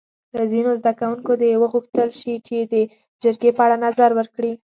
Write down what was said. له ځینو زده کوونکو دې وغوښتل شي چې د جرګې په اړه نظر ورکړي.